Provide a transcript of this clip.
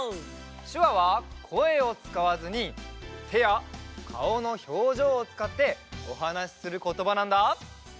しゅわはこえをつかわずにてやかおのひょうじょうをつかっておはなしすることばなんだ。